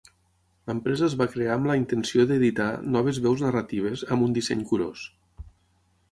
L'empresa es va crear amb la intenció d'editar noves veus narratives, amb un disseny curós.